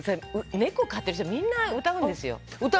猫飼ってる人みんな歌うんですよ。